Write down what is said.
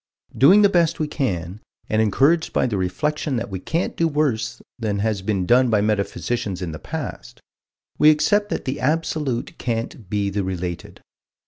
Doing the best we can, and encouraged by the reflection that we can't do worse than has been done by metaphysicians in the past, we accept that the absolute can't be the related.